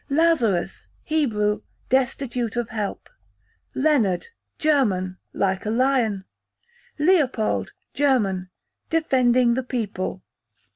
Lazarus, Hebrew, destitute of help. Leonard, German, like a lion. Leopold, German, defending the people.